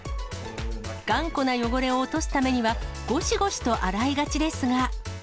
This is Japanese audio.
頑固な汚れを落とすためには、ごしごしと洗いがちですが。